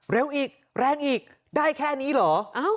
เร็วอีกแรงอีกได้แค่นี้เหรอ